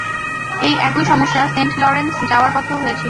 এই একই সমস্যা সেন্ট লরেন্স যাওয়ার পথেও হয়েছিলো।